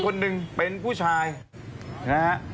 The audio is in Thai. คนหนึ่งเป็นผู้ชายนะฮะ